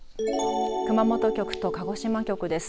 熊本局と鹿児島局です。